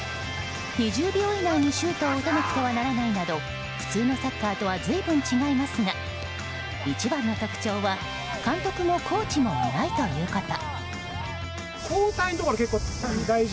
２０秒以内にシュートを打たなくてはならないなど普通のサッカーとは随分違いますが一番の特徴は監督もコーチもいないということ。